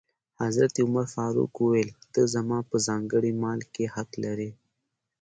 حضرت عمر فاروق وویل: ته زما په ځانګړي مال کې حق لرې.